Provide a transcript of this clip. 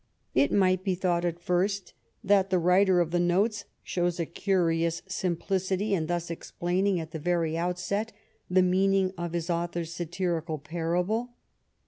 It might be thought at first that the writer of the notes showed a curious simplicity in thus explaining, at the very outset, the meaning of his author's satirical parable.